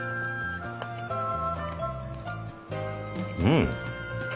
うん。